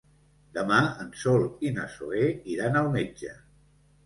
Demà en Sol i na Zoè iran al metge.